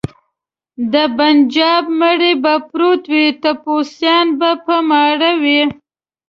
د بنجاب مړی به پروت وي ټپوسان به په ماړه وي.